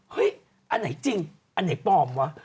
อันไหนจริงอันไหนปลอมวะ